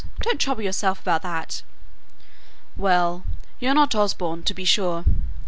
Don't trouble yourself about that." "Well, you're not Osborne, to be sure.